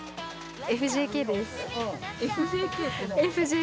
ＦＪＫです。